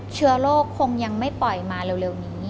เชื้อโรคคงยังไม่ปล่อยมาเร็วนี้